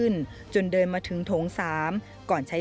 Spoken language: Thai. สวัสดีครับ